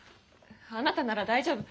あなたなら大丈夫。